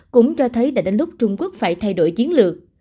cũng cho thấy đã đến lúc trung quốc phải thay đổi chiến lược